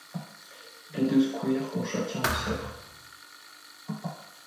Les deux squires ont chacun une sœur.